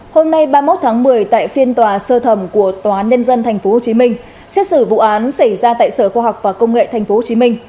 hôm nay ba mươi một tháng một mươi tại phiên tòa sơ thẩm của tòa nhân dân tp hcm xét xử vụ án xảy ra tại sở khoa học và công nghệ tp hcm